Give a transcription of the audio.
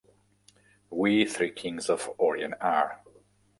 "We three Kings of Orient are".